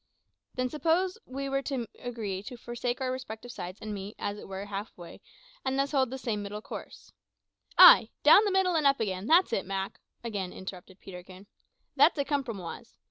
"Then suppose we were to agree to forsake our respective sides and meet, as it were, half way, and thus hold the same middle course " "Ay, down the middle and up again; that's it, Mak," again interrupted Peterkin "that's a cumprumoise.